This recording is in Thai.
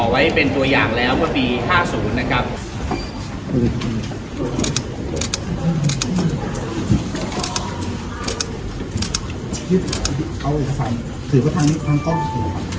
ไว้เป็นตัวอย่างแล้วเมื่อปี๕๐นะครับ